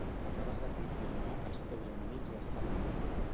Acabes de confirmar que els teus enemics estan vius.